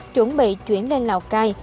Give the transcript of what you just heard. chuẩn bị chuyển lên lào cai